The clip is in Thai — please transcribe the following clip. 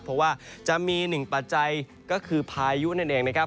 เพราะว่าจะมีหนึ่งปัจจัยก็คือพายุนั่นเองนะครับ